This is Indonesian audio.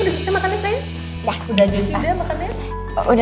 udah aja sih udah makan ya